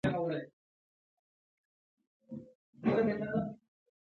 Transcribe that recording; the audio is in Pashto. پرون يې احمد راته خورا پړسولی وو.